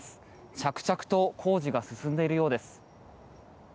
着々と工事が進んでいるようです。